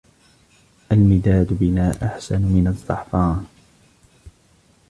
الْمِدَادُ بِنَا أَحْسَنُ مِنْ الزَّعْفَرَانِ